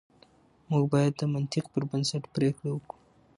موږ بايد د منطق پر بنسټ پرېکړه وکړو.